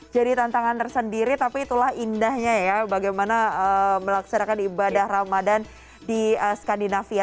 jadi tantangan tersendiri tapi itulah indahnya ya bagaimana melaksanakan ibadah ramadhan di skandinavia